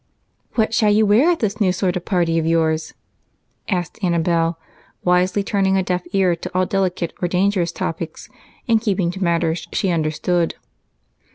"What shall you wear at this new sort of party of yours?" asked Annabel, wisely turning a deaf ear to all delicate or dangerous topics and keeping to matters she understood.